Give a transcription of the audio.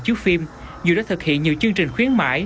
chiếu phim dù đã thực hiện nhiều chương trình khuyến mãi